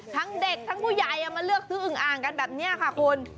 ทั้งเด็กทั้งผู้ใหญ่มาเลือกซื้ออึงอ่างกันแบบนี้ค่ะคุณ